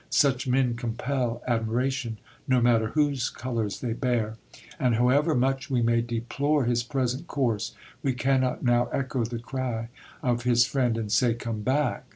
Such men compel admiration, no matter whose colours they bear. And however much we may deplore his present course, we cannot now echo the cry of his friend and say, "Come back!"